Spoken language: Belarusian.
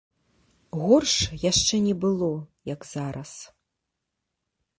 Горш яшчэ не было, як зараз.